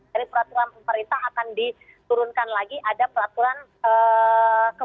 jadi peraturan pemerintah akan diturunkan lagi ada peraturan menteri